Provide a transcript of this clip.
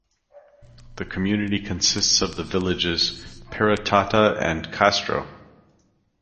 The community consists of the villages Peratata and Kastro.